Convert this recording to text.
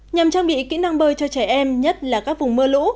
nhằm trang bị kỹ năng bơi cho trẻ em nhất là các vùng mưa lũ